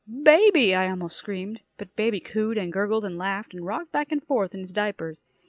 "Baby!" I almost screamed. But baby cooed and gurgled and laughed and rocked back and forth on his diapers.